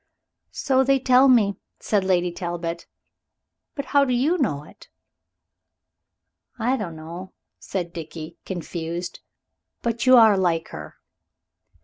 "So they tell me," said Lady Talbot, "but how do you know it?" "I don't know," said Dickie confused, "but you are like her."